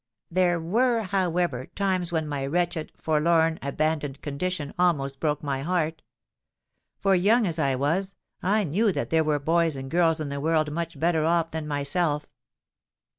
There were, however, times when my wretched—forlorn—abandoned condition almost broke my heart; for, young as I was, I knew that there were boys and girls in the world much better off than myself!